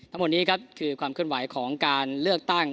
ทั้งหมดนี้ครับคือความเคลื่อนไหวของการเลือกตั้ง